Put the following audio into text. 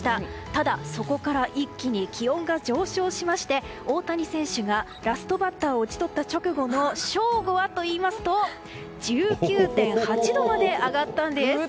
ただ、そこから一気に気温が上昇しまして大谷選手がラストバッターを打ち取った直後の正午はといいますと１９．８度まで上がったんです。